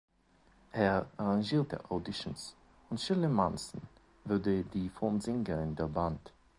Er arrangierte Auditions, und Shirley Manson wurde die Frontsängerin der Band.